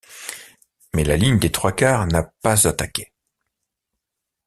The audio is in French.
Mais la ligne des trois-quarts n'a pas attaqué.